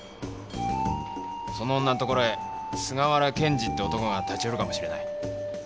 その女のところへ菅原謙次って男が立ち寄るかもしれない。